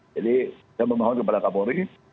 jadi saya memohon kepada kapolri